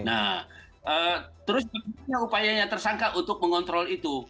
nah terus bagaimana upayanya tersangka untuk mengontrol itu